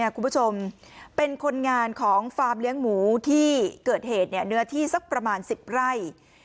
คุณผู้ชมเป็นคนงานของฟาร์มเลี้ยงหมูที่เกิดเหตุเนื้อที่สักประมาณ๑๐ไร่